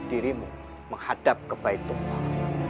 dirimu menghadap kebaik tuhan